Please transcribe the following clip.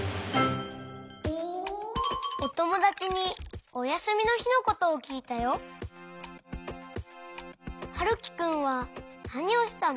おともだちにおやすみのひのことをきいたよ。はるきくんはなにをしたの？